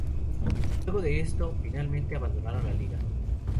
Luego de esto, finalmente abandonaron la Liga.